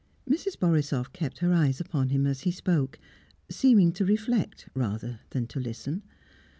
Mrs. Borisoff kept her eyes upon him as he spoke, seeming to reflect rather than to listen.